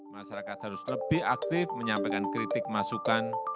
masyarakat harus lebih aktif menyampaikan kritik masukan